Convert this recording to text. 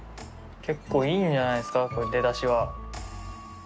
結構いいんじゃないですかこれ出だしは。